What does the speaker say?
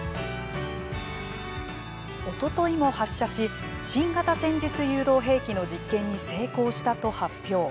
おとといも発射し新型戦術誘導兵器の実験に成功したと発表。